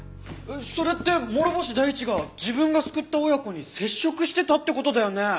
それって諸星大地が自分が救った親子に接触してたって事だよね？